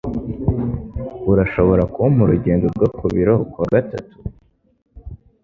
Urashobora kumpa urugendo rwo ku biro kuwa gatatu?